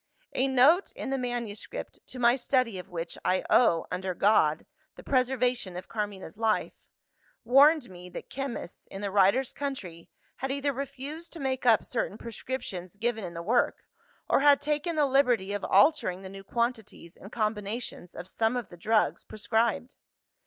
"A note in the manuscript to my study of which, I owe, under God, the preservation of Carmina's life warned me that chemists, in the writer's country, had either refused to make up certain prescriptions given in the work, or had taken the liberty of altering the new quantities and combinations of some of the drugs prescribed.